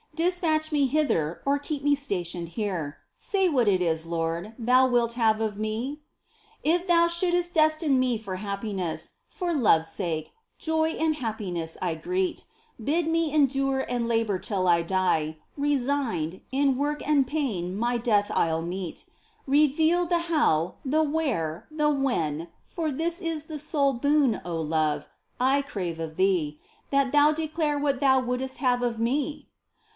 Despatch me hither, keep me stationed here, Say what it is, Lord, Thou wilt have of me ? If Thou shouldst destine me for happiness, For Love's sake, joy and happiness I greet ; Bid me endure and labour till I die. Resigned, in work and pain my death I'll meet, Reveal the how, the where, the when ; for this Is the sole boon, O Love, I crave of Thee, That thou declare what Thou wouldst have of me